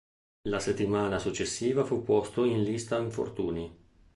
La settimana successiva fu posto in lista infortuni.